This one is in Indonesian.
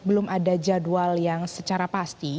belum ada jadwal yang secara pasti